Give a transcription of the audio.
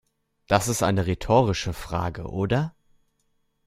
Das ist eine rhetorische Frage, oder?